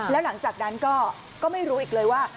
แล้วหลังจากนั้นก็ไม่รู้อีกเลยว่า